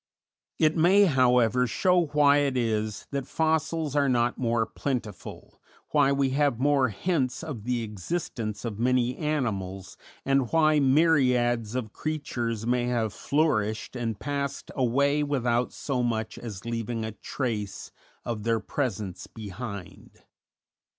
It may, however, show why it is that fossils are not more plentiful, why we have mere hints of the existence of many animals, and why myriads of creatures may have flourished and passed away without so much as leaving a trace of their presence behind.